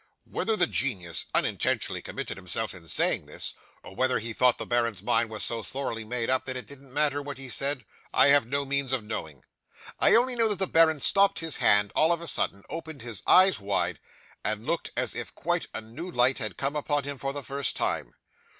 'Whether the genius unintentionally committed himself in saying this, or whether he thought the baron's mind was so thoroughly made up that it didn't matter what he said, I have no means of knowing. I only know that the baron stopped his hand, all of a sudden, opened his eyes wide, and looked as if quite a new light had come upon him for the first time.